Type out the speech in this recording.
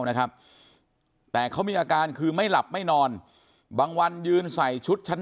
นะครับแต่เขามีอาการคือไม่หลับไม่นอนบางวันยืนใส่ชุดชั้น